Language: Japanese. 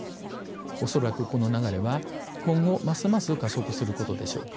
恐らくこの流れは今後ますます加速することでしょう。